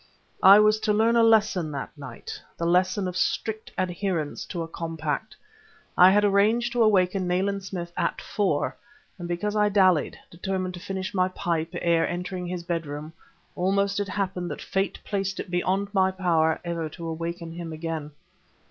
I was to learn a lesson that night: the lesson of strict adherence to a compact. I had arranged to awaken Nayland Smith at four; and because I dallied, determined to finish my pipe ere entering his bedroom, almost it happened that Fate placed it beyond my power ever to awaken him again.